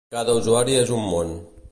Cada usuari és un món.